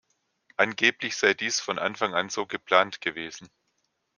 Angeblich sei dies „von Anfang an so geplant“ gewesen.